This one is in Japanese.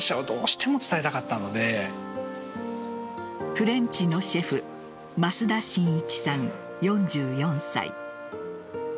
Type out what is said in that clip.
フレンチのシェフ増田慎一さん、４４歳。